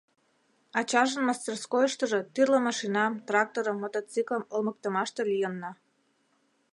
Ачажын мастерскойыштыжо тӱрлӧ машинам, тракторым, мотоциклым олмыктымаште лийынна.